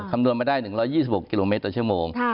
คำนวณมาได้๑๒๖กิโลเมตรต่อชั่วโมง